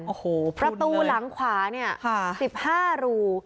โอ้โหประตูหลังขวาเนี่ย๑๕รู